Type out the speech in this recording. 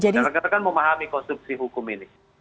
dan rekatkan memahami konstruksi hukum ini